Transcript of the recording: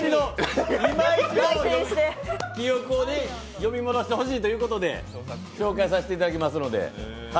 いま一度記憶を呼び戻してほしいということで紹介させていただきますので。